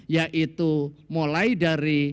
yaitu mulai dari